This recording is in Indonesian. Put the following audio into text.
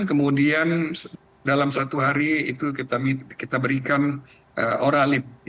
kemudian dalam satu hari itu kita berikan oralib